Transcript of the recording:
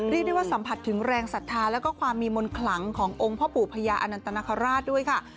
เรียกได้ว่าสัมผัสถึงแรงศรัทธาแล้วก็ความมีมนต์ขลังขององค์พ่อปู่พญาอนันตนคราชด้วยค่ะ